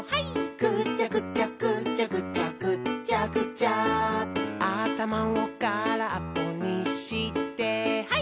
「ぐちゃぐちゃぐちゃぐちゃぐっちゃぐちゃ」「あたまをからっぽにしてハイ！」